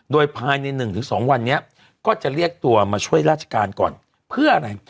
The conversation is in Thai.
โดยภายใน๑๒วันนี้ก็จะเรียกตัวมาช่วยราชการก่อนเพื่ออะไร